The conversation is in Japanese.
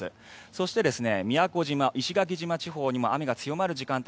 そして宮古島、石垣島地方にも雨が強まる時間帯